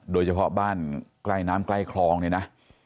โดยเฉพาะบ้านใกล้น้ำใกล้คลองเนี่ยนะ